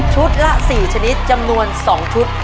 ละ๔ชนิดจำนวน๒ชุด